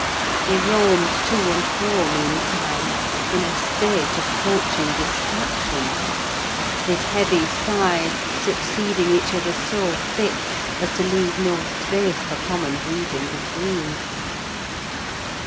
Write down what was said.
He roamed to and fro, meantime, in a state approaching distraction; his heavy sighs succeeding each other so thick as to leave no space for common breathing between.